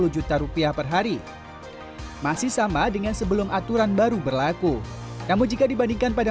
sepuluh juta rupiah perhari masih sama dengan sebelum aturan baru berlaku namun jika dibandingkan pada